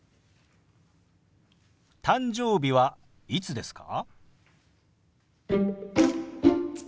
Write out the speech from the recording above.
「誕生日はいつですか？」。